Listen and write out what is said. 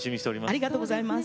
ありがとうございます。